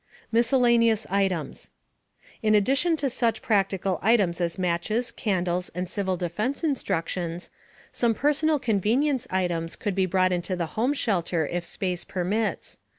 MISCELLANEOUS ITEMS. In addition to such practical items as matches, candles, and civil defense instructions, some personal convenience items could be brought into the home shelter if space permits.